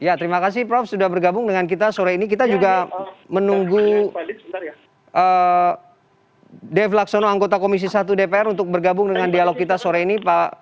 ya terima kasih prof sudah bergabung dengan kita sore ini kita juga menunggu dev laksono anggota komisi satu dpr untuk bergabung dengan dialog kita sore ini